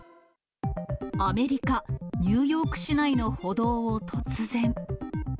アメリカ・ニューヨーク市内の歩道を突然。